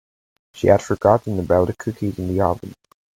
She had forgotten about the cookies in the oven.